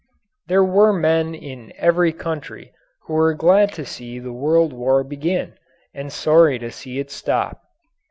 There were men in every country who were glad to see the World War begin and sorry to see it stop.